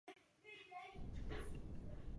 中华抱茎蓼为蓼科蓼属下的一个变种。